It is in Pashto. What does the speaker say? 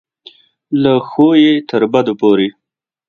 له ښو یې تر بدو پورې.